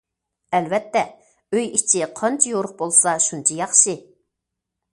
ئەلۋەتتە، ئۆي ئىچى قانچە يورۇق بولسا شۇنچە ياخشى.